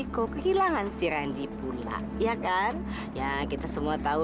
kamu lihat itu